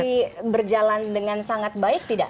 selama ini bersinergi berjalan dengan sangat baik tidak